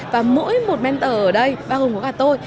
và mỗi một mentor ở đây bao gồm có cả tôi